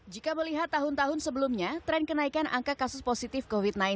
jika melihat tahun tahun sebelumnya tren kenaikan angka kasus positif covid sembilan belas